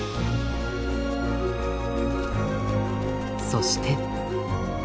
そして。